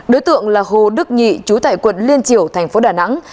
đối tượng là hồ đức nhị chú tải quận liên triều tp đà nẵng